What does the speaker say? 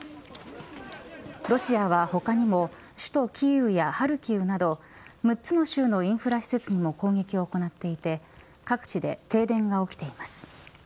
ロシアは他にも首都キーウやハルキウなど６つの州のインフラ施設にも攻撃を行っていて各地で停電が起きています。